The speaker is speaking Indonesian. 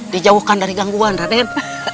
dijauhkan dari gangguan raden